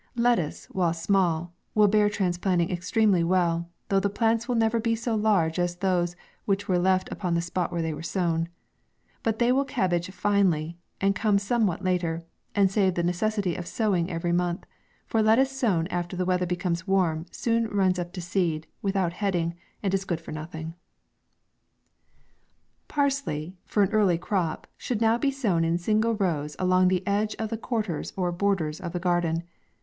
Lettuce, while small, will bear transplan ting extremely well, though the plants will never be so large as those which were left upon the spot where they were sown ; but they will cabbage finely, and come somewhat later, and save the necessity of sowing every month ; for lettuce sown after the weather becomes warm, soon runs up to seed, without heading, and is good for nothing. PARSLEY, for an early crop, should now be sown in sin gle rows, along the edge of the quarters, or borders of the garden.